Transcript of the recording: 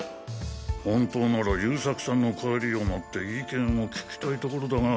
本当なら優作さんの帰りを待って意見を聞きたいところだが。